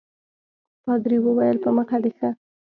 پادري وویل په مخه دي ښه.